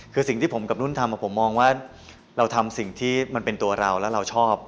คือสิ่งที่ผมกับนุ่นทำผมมองว่าเราทำสิ่งที่มันเป็นตัวเราแล้วเราชอบ